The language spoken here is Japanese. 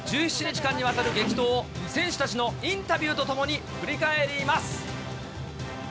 １７日間にわたる激闘を、選手たちのインタビューとともに振り返